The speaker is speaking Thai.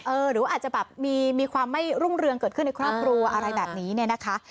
หรือว่าอาจจะแบบมีความไม่รุ่งเรืองเกิดขึ้นในครอบครัวอะไรแบบนี้เนี่ยนะคะ